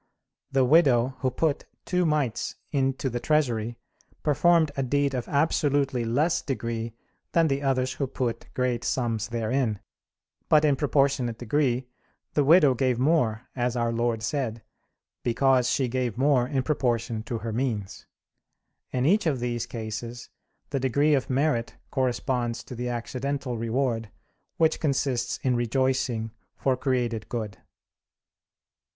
The widow who put two mites into the treasury performed a deed of absolutely less degree than the others who put great sums therein. But in proportionate degree the widow gave more, as Our Lord said; because she gave more in proportion to her means. In each of these cases the degree of merit corresponds to the accidental reward, which consists in rejoicing for created good.